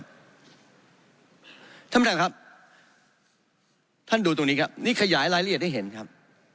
ท่านประธานครับท่านดูตรงนี้ครับนี่ขยายรายละเอียดให้เห็นครับ